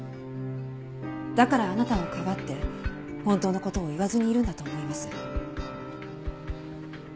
だからあなたをかばって本当の事を言わずにいるんだと思います。